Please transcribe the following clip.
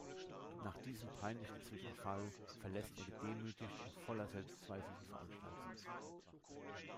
Nach diesem peinlichen Zwischenfall verlässt er gedemütigt und voller Selbstzweifel die Veranstaltung.